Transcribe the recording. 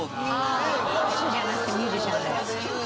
歌手じゃなくてミュージシャンで。